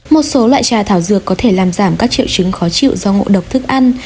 một số loại trà thảo dược có thể làm giảm các triệu chứng khó chịu do ngộ độc thức ăn